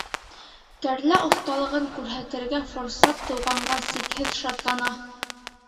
Кәрлә оҫталығын күрһәтергә форсат тыуғанға сикһеҙ шатлана.